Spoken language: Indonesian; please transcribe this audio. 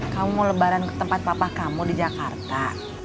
kamu mau lebaran ke tempat papa kamu di jakarta